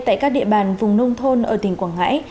tại các địa bàn vùng nông thôn ở tỉnh quảng ngãi